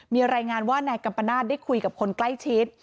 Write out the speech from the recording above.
มีรายงานว่านายกัมปนาศได้คุยกับคนใกล้ชิด